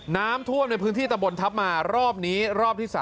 น้ำท่วมในพื้นที่ตะบนทัพมารอบนี้รอบที่๓